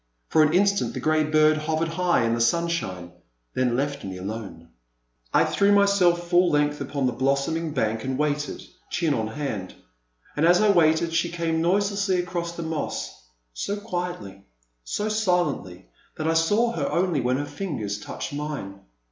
For an instant the grey bird hovered high in the sun shine, then left me alone. I threw myself full length upon the blossoming bank and waited, chin on hand. And as I waited, she came noiselessly across the moss, so quietly, so silently that I saw her only when her fingers touched mine.